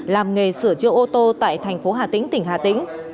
làm nghề sửa chữa ô tô tại thành phố hà tĩnh tỉnh hà tĩnh